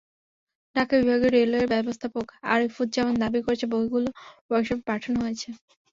ঢাকা বিভাগীয় রেলওয়ের ব্যবস্থাপক আরিফুজ্জামান দাবি করেছেন, বগিগুলো ওয়ার্কশপে পাঠানো হয়েছে।